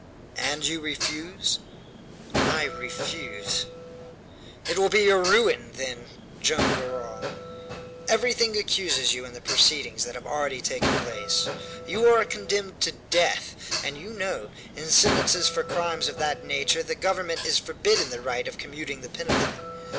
"And your refuse?" "I refuse." "It will be your ruin, then, Joam Garral. Everything accuses you in the proceedings that have already taken place. You are condemned to death, and you know, in sentences for crimes of that nature, the government is forbidden the right of commuting the penalty.